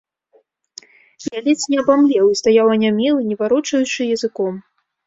Я ледзь не абамлеў і стаяў анямелы, не варочаючы языком.